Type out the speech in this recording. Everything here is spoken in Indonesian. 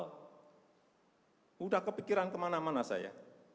sudah kepikiran kemana mana saya